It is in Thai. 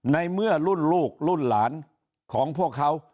ในเมื่อรุ่นลูกรุ่นหลานของพวกเขา